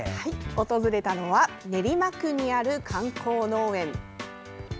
訪れたのは練馬区にある観光農園。